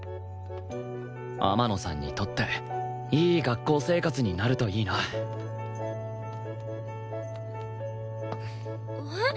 天野さんにとっていい学校生活になるといいなえっ？